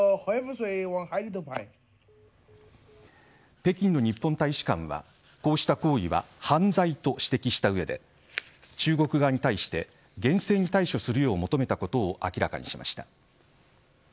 北京の日本大使館はこうした行為は犯罪と指摘した上で中国側に対して厳正に対処するよう求めたことを明らかにしました。